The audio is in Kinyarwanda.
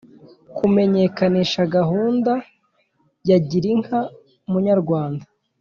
kumenyekanisha gahunda ya girinka munyarwanda